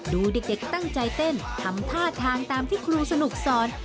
ดูเด็กตั้งใจเต้นทำท่าทางตามที่ครูสนุกสอน